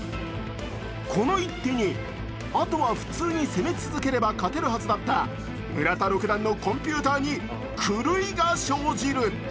この一手にあとは普通に攻め続ければ勝てるはずだった村田六段のコンピューターに狂いが生じる。